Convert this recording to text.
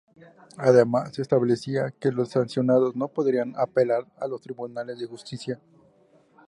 Además se establecía que los sancionados no podrían apelar a los tribunales de justicia.